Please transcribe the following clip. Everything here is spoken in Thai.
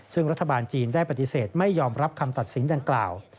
ซึ่งรัฐบาลจีนได้ปฏิเสธไม่ยอมรับคำตัดสินดังกล่าว